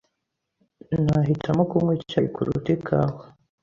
Nahitamo kunywa icyayi kuruta ikawa.